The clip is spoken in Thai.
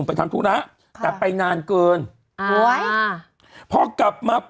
ด้วยความเวลาเขาเป็นแฟนแต่ว่าเค้าทำคน